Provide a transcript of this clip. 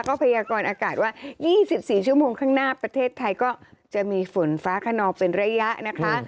พยากรอากาศว่า๒๔ชั่วโมงข้างหน้าประเทศไทยก็จะมีฝนฟ้าขนองเป็นระยะนะคะ